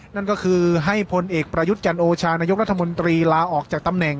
นั่นก็คือให้พลเอกประยุทธ์จันโอชานายกรัฐมนตรีลาออกจากตำแหน่ง